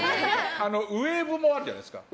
ウェーブもあるじゃないですか。